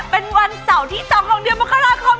เป็นวันเสาร์ที่๒ของเดือนมกราคม